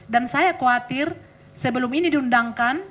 dan saya khawatir sebelum ini diundangkan